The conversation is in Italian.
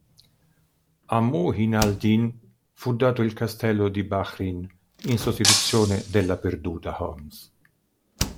A Muʿīn al-Dīn fu dato il castello di Baʿrin in sostituzione della perduta Homs.